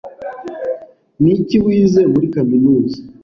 Niki wize muri kaminuza?